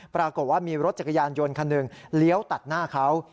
ปรากฏว่ามีรถจักรยานยนต์คันหนึ่งเลี้ยวตัดหน้าเขา